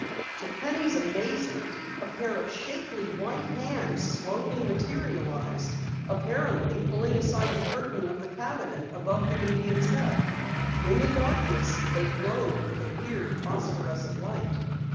To Penny's amazement, a pair of shapely white hands slowly materialized, apparently pulling aside the curtain of the cabinet above the medium's head. In the darkness they glowed with a weird phosphorescent light.